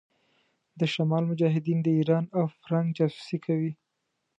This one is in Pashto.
د شمال مجاهدين د ايران او فرنګ جاسوسي کوي.